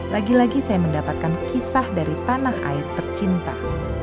lagi lagi saya mendapatkan kisah dari tanah air tercinta